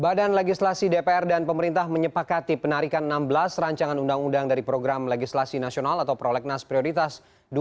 badan legislasi dpr dan pemerintah menyepakati penarikan enam belas rancangan undang undang dari program legislasi nasional atau prolegnas prioritas dua ribu sembilan belas